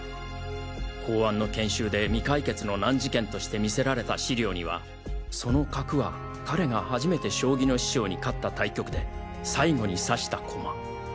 公安の研修で未解決の難事件として見せられた資料にはその角は彼が初めて将棋の師匠に勝った対局で最後に指した駒。